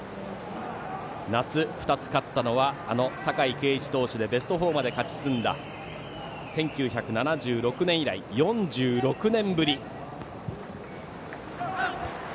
夏、２つ勝ったのはあの酒井圭一投手でベスト４まで勝ち進んだ１９７６年以来、４６年ぶり。